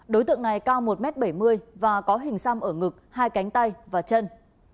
đối tượng này cao một m bảy mươi và có hình xăm ở ngực hai cánh tay và chân